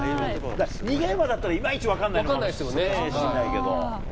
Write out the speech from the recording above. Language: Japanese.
逃げ馬だったらいまいち分からないかもしれないけど。